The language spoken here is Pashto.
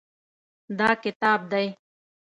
دا کتاب دی.